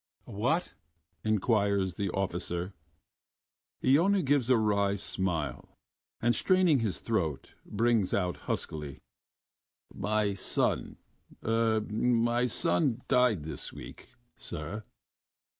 "What?" inquires the officer. Iona gives a wry smile, and straining his throat, brings out huskily: "My son... er... my son died this week, sir."